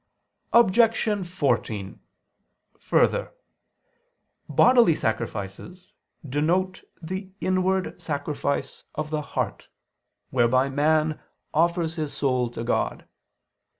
Objection 14: Further, bodily sacrifices denote the inward sacrifice of the heart, whereby man offers his soul to God.